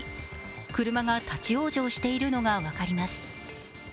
車が立往生しているのが分かります。